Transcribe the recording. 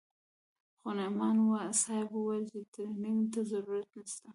خو نعماني صاحب وويل چې ټرېننگ ته ضرورت نسته.